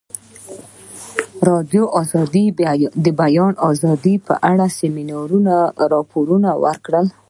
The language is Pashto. ازادي راډیو د د بیان آزادي په اړه د سیمینارونو راپورونه ورکړي.